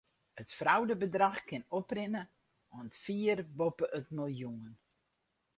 It fraudebedrach kin oprinne oant fier boppe it miljoen.